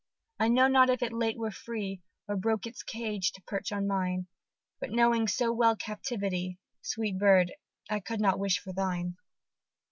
I know not if it late were free, Or broke its cage to perch on mine, But knowing well captivity, Sweet bird! I could not wish for thine!